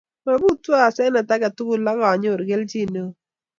Mobutu asenet age tugul akonyoru kelchin neo